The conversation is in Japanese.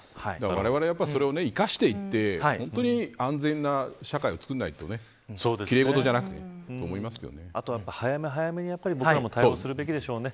われわれはそれを生かしていって安全な社会を作らないとね奇麗事じゃなくてあとは早め早めに僕らも対応するべきでしょうね。